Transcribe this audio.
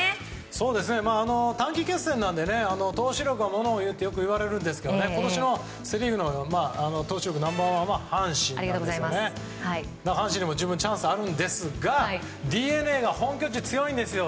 短期決戦なので投手力が物を言うといわれるんですが今年のセ・リーグ投手力ナンバー１は阪神ですが阪神にも十分チャンスがあるんですがＤｅＮＡが本拠地強いんですよ。